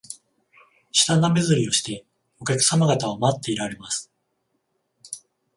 舌なめずりして、お客さま方を待っていられます